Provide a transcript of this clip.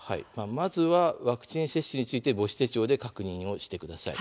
まずはワクチン接種について母子手帳で確認してください。